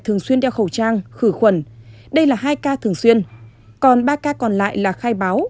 thường xuyên đeo khẩu trang khử khuẩn đây là hai ca thường xuyên còn ba ca còn lại là khai báo